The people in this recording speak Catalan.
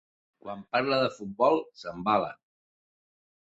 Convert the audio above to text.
Quan parla de futbol s'embala!